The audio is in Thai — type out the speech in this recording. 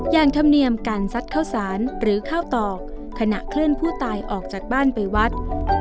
ธรรมเนียมการซัดข้าวสารหรือข้าวตอกขณะเคลื่อนผู้ตายออกจากบ้านไปวัด